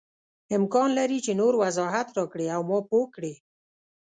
امکان لري چې نور وضاحت راکړې او ما پوه کړې.